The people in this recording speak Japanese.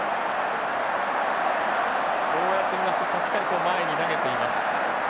こうやって見ますと確かに前に投げています。